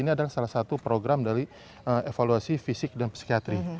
ini adalah salah satu program dari evaluasi fisik dan psikiatri